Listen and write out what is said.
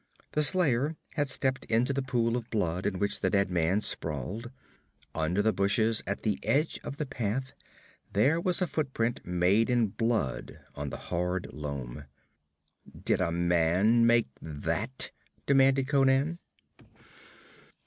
The slayer had stepped into the pool of blood in which the dead man sprawled. Under the bushes at the edge of the path there was a footprint, made in blood on the hard loam. 'Did a man make that?' demanded Conan.